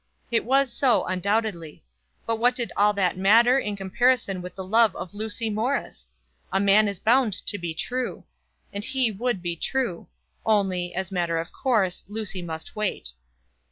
It was so, undoubtedly; but what did all that matter in comparison with the love of Lucy Morris? A man is bound to be true. And he would be true. Only, as a matter of course, Lucy must wait.